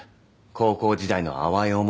高校時代の淡い思い